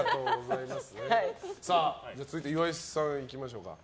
続いて、岩井さんいきましょう。